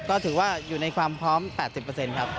ก็ถือว่าอยู่ในความพร้อม๘๐ครับ